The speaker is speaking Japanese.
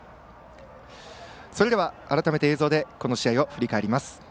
改めて映像でこの試合を振り返ります。